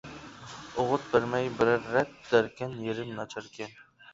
ئوغۇت بەرمەي بىرەر رەت، دەركەن يېرىم ناچاركەن.